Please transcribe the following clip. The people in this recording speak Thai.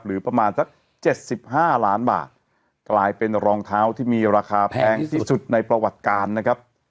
ประมาณสัก๗๕ล้านบาทกลายเป็นรองเท้าที่มีราคาแพงที่สุดในประวัติการนะครับ